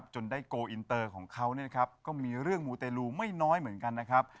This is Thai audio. จนได้โกลอินเตอร์ของเขาก็มีเรื่องมูเตลูไม่น้อยเหมือนกันนะครับ